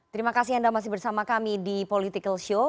terima kasih anda masih bersama kami di political show